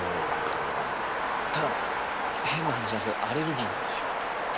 ただ変な話なんですけどアレルギーなんですよ。